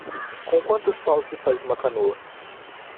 Com quantos paus se faz uma canoa?